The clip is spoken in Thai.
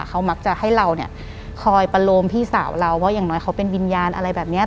เขามักจะให้เราเนี่ยคอยประโลมพี่สาวเราว่าอย่างน้อยเขาเป็นวิญญาณอะไรแบบเนี้ย